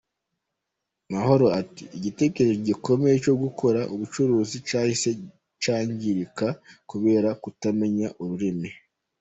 Mahoro ati “Igitekerezo gikomeye cyo gukora ubucuruzi cyahise cyangirika kubera kutamenya ururimi.